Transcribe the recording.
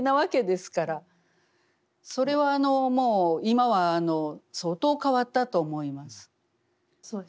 それはもう今は相当変わったと思います。